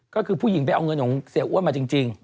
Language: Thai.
ก็คือผู้หญิงไปเอาเงินของเสียอ้วนมาจริง